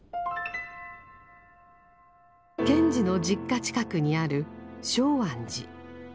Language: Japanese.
賢治の実家近くにある松庵寺。